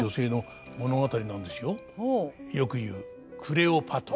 よくいうクレオパトラ。